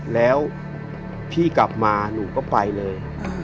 แล้วพี่กลับมาหนูก็ไปเลย